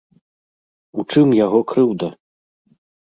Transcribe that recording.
У чым яго крыўда?